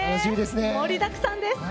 盛りだくさんです。